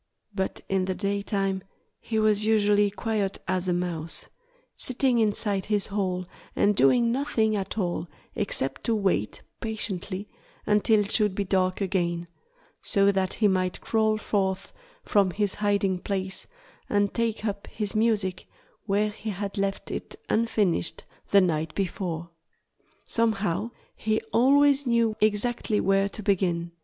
But in the daytime he was usually quiet as a mouse, sitting inside his hole and doing nothing at all except to wait patiently until it should be dark again, so that he might crawl forth from his hiding place and take up his music where he had left it unfinished the night before. Somehow he always knew exactly where to begin.